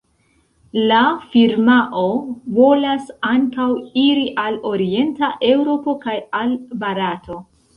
La firmao volas ankaŭ iri al orienta Eŭropo kaj al Barato.